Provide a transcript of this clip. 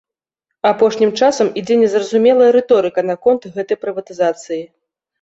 Апошнім часам ідзе незразумелая рыторыка наконт гэтай прыватызацыі.